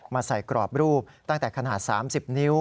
ใส่กรอบรูปตั้งแต่ขนาด๓๐นิ้ว